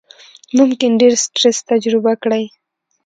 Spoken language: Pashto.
ممکن ډېر سټرس تجربه کړئ،